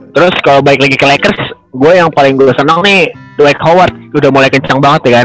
terus kalo balik lagi ke lakers gua yang paling gua seneng nih dwight howard udah mulai kenceng banget ya kan